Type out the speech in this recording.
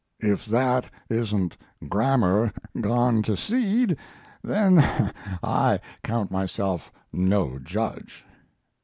(If that isn't grammar gone to seed then I count myself no judge.